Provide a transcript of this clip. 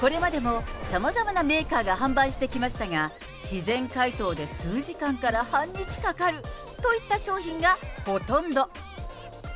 これまでもさまざまなメーカーが販売してきましたが、自然解凍で数時間から半日かかるといった商品がほとんど。